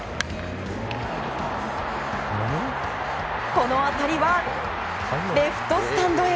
この当たりはレフトスタンドへ。